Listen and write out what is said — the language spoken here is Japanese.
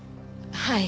はい。